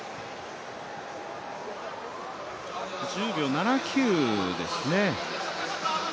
１０秒７９ですね。